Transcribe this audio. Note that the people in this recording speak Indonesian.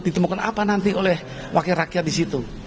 ditemukan apa nanti oleh wakil rakyat di situ